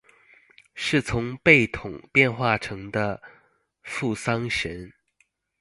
是从贝桶变化成的付丧神。